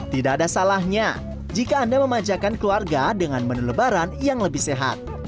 tidak ada salahnya jika anda memanjakan keluarga dengan menu lebaran yang lebih sehat